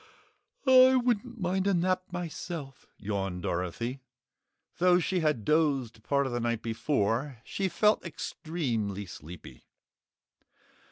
"I wouldn't mind a nap myself," yawned Dorothy. Though she had dozed part of the night before, she felt extremely sleepy.